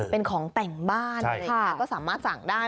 เป็นของแต่งบ้านเลยค่ะก็สามารถสั่งได้